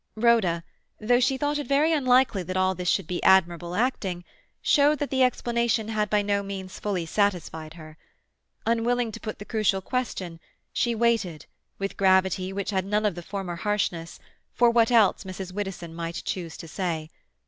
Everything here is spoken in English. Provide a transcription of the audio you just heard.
Rhoda, though she thought it very unlikely that all this should be admirable acting, showed that the explanation had by no means fully satisfied her. Unwilling to put the crucial question, she waited, with gravity which had none of the former harshness, for what else Mrs. Widdowson might choose to say.